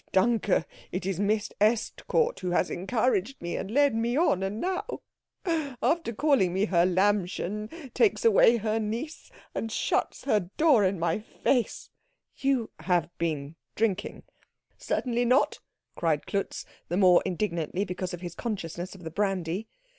Ich danke. It is Miss Estcourt who has encouraged me and led me on, and now, after calling me her Lämmchen, takes away her niece and shuts her door in my face " "You have been drinking?" "Certainly not," cried Klutz, the more indignantly because of his consciousness of the brandy.